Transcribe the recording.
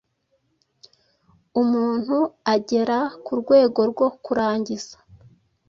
umuntu agera ku rwego rwo kurangiza